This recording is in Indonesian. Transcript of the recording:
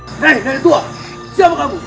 hey hey setua siapa kamu